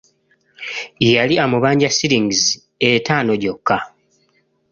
Yali amubanja siringisi etaano gyokka.